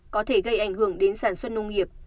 có thể gây ảnh hưởng đến sản xuất nông nghiệp